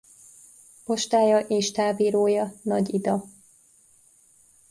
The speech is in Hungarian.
Postája és távirója Nagy-Ida.